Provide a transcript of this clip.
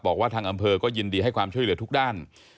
บอกว่าทางอำเภอก็ยินดีให้ความช่วยเหลือทุกด้าน